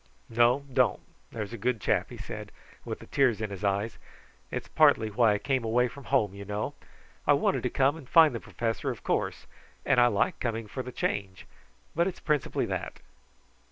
"No, don't; there's a good chap," he said, with the tears in his eyes. "It's partly why I came away from home, you know. I wanted to come and find the professor, of course, and I like coming for the change; but it's principally that."